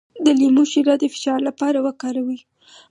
د لیمو شیره د فشار لپاره وکاروئ